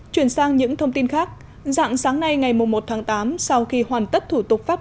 chuyển sang những thông tin khác dạng sáng nay ngày một tháng tám sau khi hoàn tất thủ tục pháp